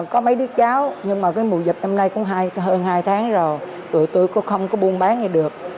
có mấy đứa cháu nhưng mà cái mùa dịch năm nay cũng hơn hai tháng rồi tụi tôi không có buôn bán ngay được